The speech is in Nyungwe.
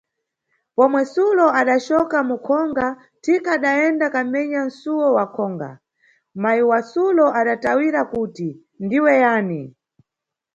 Pomwe sulo adacoka mukhonga, thika adayenda kamenya suwo wakhonga, mayi wa sulo adatawira kuti: diwe yani?